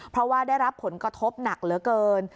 เพราะว่าได้รับผลกระทบหนักเหลือเกิน